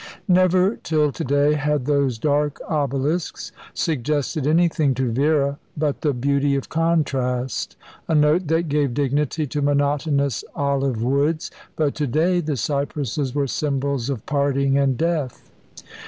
Never till to day had those dark obelisks suggested anything to Vera but the beauty of contrast a note that gave dignity to monotonous olive woods; but to day the cypresses were symbols of parting and death.